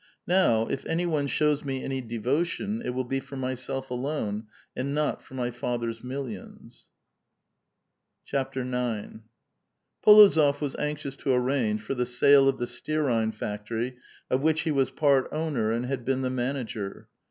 " Now if any one shows me any devotion, it will be for myself alone, and not for my father's millions." IX. PoLOzop was anxious to arrange for the sale of the stearine factory of which he was part owner and had been the man* ager.